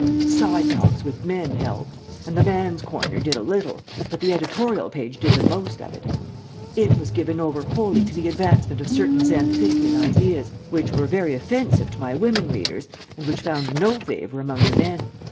"'Side Talks with Men' helped, and 'The Man's Corner' did a little, but the editorial page did the most of it. It was given over wholly to the advancement of certain Xanthippian ideas, which were very offensive to my women readers, and which found no favor among the men.